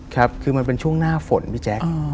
ครับคือมันเป็นช่วงหน้าฝนพี่แจ๊ค